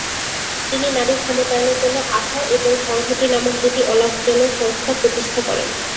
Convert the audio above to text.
তিনি নারীর ক্ষমতায়নের জন্য "আশা" এবং "সংহতি" নামক দুটি অলাভজনক সংস্থা প্রতিষ্ঠা করেন।